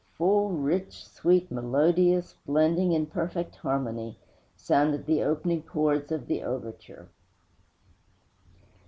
full, rich, sweet, melodious, blending in perfect harmony, sounded the opening chords of the overture!'